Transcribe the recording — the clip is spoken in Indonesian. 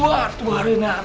ah ya allah